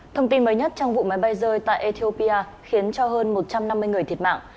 thông tin mới nhất trong vụ máy bay rơi tại ethiopia khiến cho hơn một trăm năm mươi người thiệt mạng